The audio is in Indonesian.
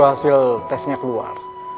hasil tesnya keluar